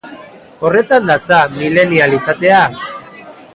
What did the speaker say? Horretan datza milenial izatea?